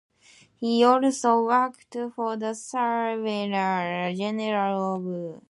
He also worked for the surveyor general of Utah.